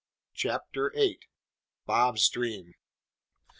CHAPTER EIGHT. BOB'S DREAM.